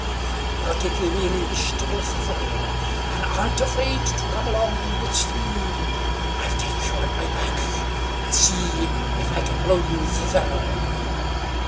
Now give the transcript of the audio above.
But if you really wish to go thither, and aren't afraid to come along with me, I'll take you on my back and see if I can blow you thither."